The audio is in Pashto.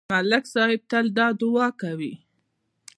ملک صاحب تل دا دعا کوي